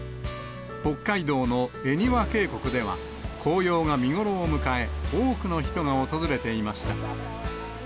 北海道の恵庭渓谷では、紅葉が見頃を迎え、多くの人が訪れていました。